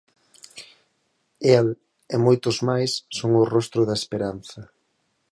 El, e moitos máis, son o rostro da esperanza.